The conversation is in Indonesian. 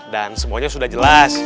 dan semuanya sudah jelas